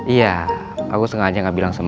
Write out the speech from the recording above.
iya aku sengaja gak bilang sama